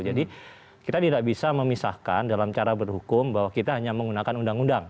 jadi kita tidak bisa memisahkan dalam cara berhukum bahwa kita hanya menggunakan undang undang